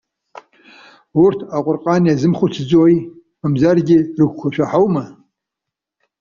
Урҭ Аҟәырҟан иазымхәыцӡои? Мамзаргьы, рыгәқәа шәаҳаума?